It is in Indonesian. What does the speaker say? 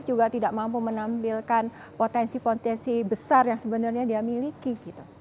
juga tidak mampu menampilkan potensi potensi besar yang sebenarnya dia miliki